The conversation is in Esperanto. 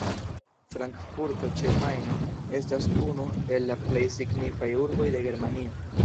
Frankfurto ĉe Majno estas unu el la plej signifaj urboj de Germanio.